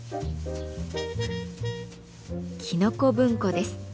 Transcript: きのこ文庫です。